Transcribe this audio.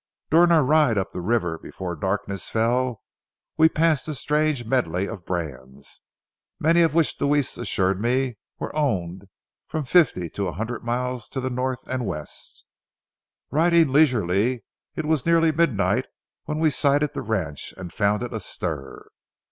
During our ride up the river before darkness fell, we passed a strange medley of brands, many of which Deweese assured me were owned from fifty to a hundred miles to the north and west. Riding leisurely, it was nearly midnight when we sighted the ranch and found it astir.